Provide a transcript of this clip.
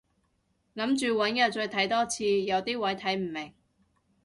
諗住搵日再睇多次，有啲位睇唔明